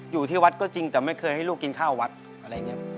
อยู่ที่วัดก็จริงแต่ไม่เคยให้ลูกกินข้าววัดอะไรอย่างนี้